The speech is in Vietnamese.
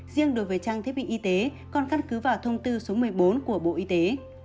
riêng đối với trang thiết bị y tế còn căn cứ vào thông tư số một mươi bốn của bộ y tế